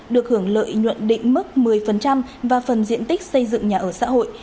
được hưởng lợi nhuận định mức một mươi và phần diện tích xây dựng nhà ở xã hội